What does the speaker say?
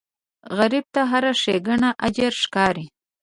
غریب ته هره ښېګڼه اجر ښکاري